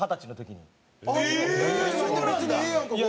別にええやんかこれ。